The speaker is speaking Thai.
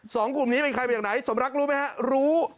สองกลุ่มนี้เป็นใครมาจากไหนสมรักรู้ไหมฮะรู้